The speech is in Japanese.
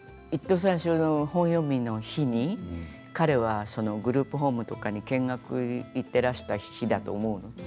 最初の本読みの日に彼はグループホームとかに見学に行ってらした日だと思う。